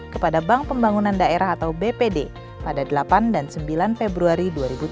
kepada bank pembangunan daerah atau bpd pada delapan dan sembilan februari dua ribu tujuh belas